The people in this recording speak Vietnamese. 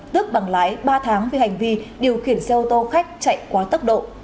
tước bằng lái ba tháng vì hành vi điều khiển xe ô tô khách chạy quá tốc độ